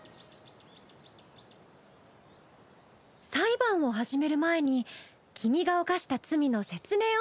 「裁判を始める前に君が犯した罪の説明を」